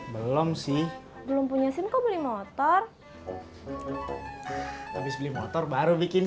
belum sih belum punya simpul motor habis beli motor baru bikin